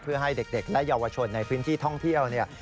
เพื่อให้เด็กและเยาวชนในพื้นที่ท่องเที่ยวเนี่ย